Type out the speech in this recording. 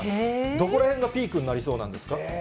どこらへんがピークになりそうなんですか。